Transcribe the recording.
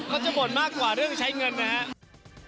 เขาจะโหมดมากกว่าเรื่องใช้เงินนะครับ